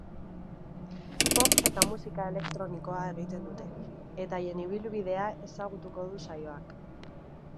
Pop eta musika elektronikoa egiten dute, eta haien ibilbidea ezagutuko du saioak.